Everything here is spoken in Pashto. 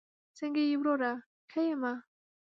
څنګه یې وروره؟ ښه یمه